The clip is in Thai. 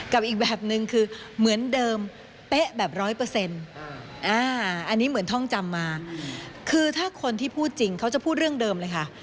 อีกแบบนึงคือเหมือนเดิมเป๊ะแบบร้อยเปอร์เซ็นต์อันนี้เหมือนท่องจำมาคือถ้าคนที่พูดจริงเขาจะพูดเรื่องเดิมเลยค่ะ